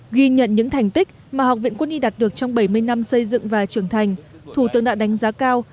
ghi nhận những thành tích mà học viện quân y đạt được trong bảy mươi năm xây dựng và trưởng thành thủ tướng đã đánh giá cao